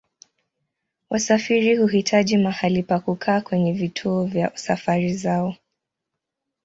Wasafiri huhitaji mahali pa kukaa kwenye vituo vya safari zao.